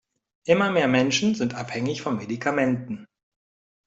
Immer mehr Menschen sind abhängig von Medikamenten.